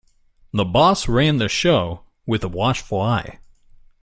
The boss ran the show with a watchful eye.